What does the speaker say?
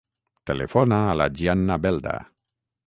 Telefona a la Gianna Belda.